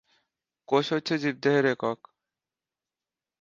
কোষ হচ্ছে জীবদেহের একক।